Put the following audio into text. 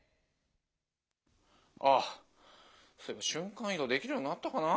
あっそういえば瞬間移動できるようになったかな？